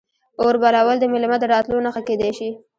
اور بلول د میلمه د راتلو نښه کیدی شي.